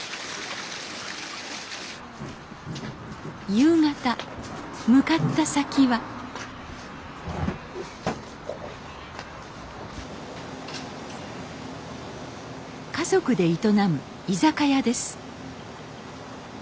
夕方向かった先は家族で営む居酒屋です。